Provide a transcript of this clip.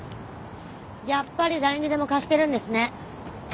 やっぱり誰にでも貸してるんですね。